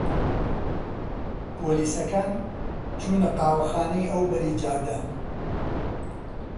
پۆلیسەکان چوونە قاوەخانەی ئەوبەری جادە